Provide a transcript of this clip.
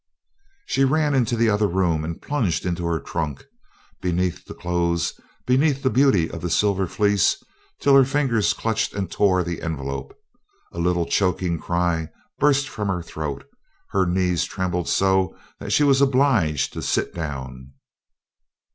She ran into the other room and plunged into her trunk; beneath the clothes, beneath the beauty of the Silver Fleece, till her fingers clutched and tore the envelope. A little choking cry burst from her throat, her knees trembled so that she was obliged to sit down.